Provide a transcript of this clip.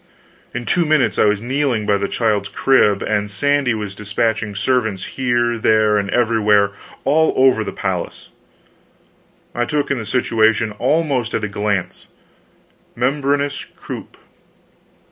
In two minutes I was kneeling by the child's crib, and Sandy was dispatching servants here, there, and everywhere, all over the palace. I took in the situation almost at a glance membranous croup!